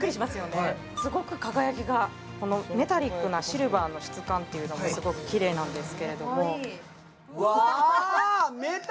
はいすごく輝きがメタリックなシルバーの質感っていうのもすごくキレイなんですけれどもかわいい！